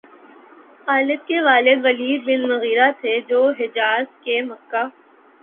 خالد کے والد Walid bin Mughira تھے، جو حجاز کے مکہ